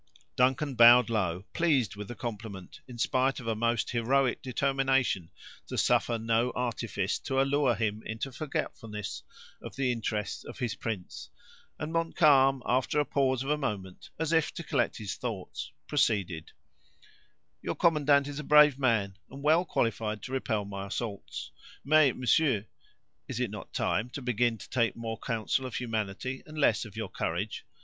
Duncan bowed low, pleased with the compliment, in spite of a most heroic determination to suffer no artifice to allure him into forgetfulness of the interest of his prince; and Montcalm, after a pause of a moment, as if to collect his thoughts, proceeded: "Your commandant is a brave man, and well qualified to repel my assault. Mais, monsieur, is it not time to begin to take more counsel of humanity, and less of your courage?